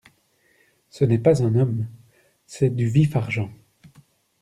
Ce n’est pas un homme, c’est du vif-argent !…